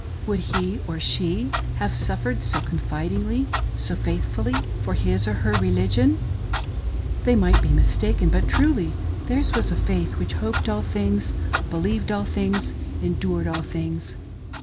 Would he or she have suffered so confid ingly— so faithfully — for his or her religion .■' They might be mistaken ; but truly theirs was a faith which "hoped all things, believed all things, endured all things."